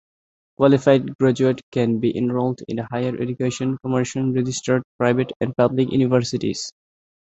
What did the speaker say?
Qualified graduates can be enrolled in Higher Education Commission registered private and public universities.